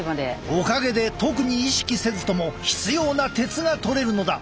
おかげで特に意識せずとも必要な鉄がとれるのだ。